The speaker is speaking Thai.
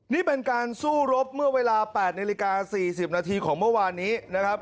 นี่เป็นการสู้รบเมื่อเวลา๘นาฬิกา๔๐นาทีของเมื่อวานนี้นะครับ